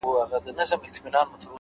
د تجربې درس تر نصیحت ژور وي’